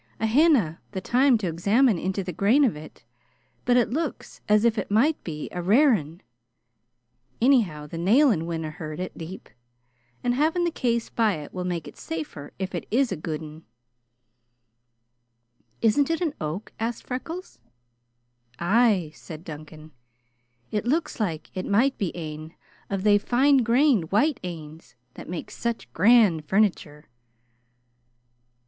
"I haena the time to examine into the grain of it, but it looks as if it might be a rare ane. Anyhow, the nailin' winna hurt it deep, and havin' the case by it will make it safer if it is a guid ane." "Isn't it an oak?" asked Freckles. "Ay," said Duncan. "It looks like it might be ane of thae fine grained white anes that mak' such grand furniture."